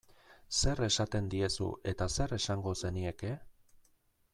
Zer esaten diezu eta zer esango zenieke?